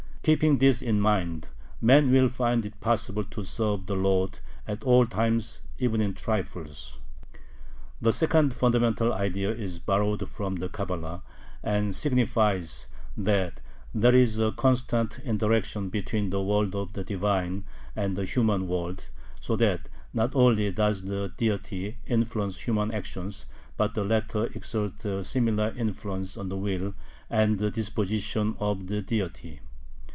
Keeping this in mind, man will find it possible to serve the Lord at all times, even in trifles. The second fundamental idea is borrowed from the Cabala, and signifies that there is a constant interaction between the world of the Divine and the human world, so that not only does the Deity influence human actions, but the latter exert a similar influence on the will and the disposition of the Deity.